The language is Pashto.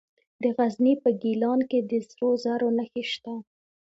د غزني په ګیلان کې د سرو زرو نښې شته.